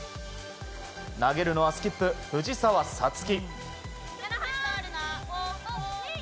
投げるのはスキップ、藤澤五月。